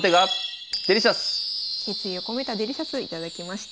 決意を込めたデリシャス頂きました。